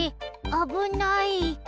あぶない。